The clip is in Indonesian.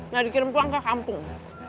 nah dikirim pulang ke kampung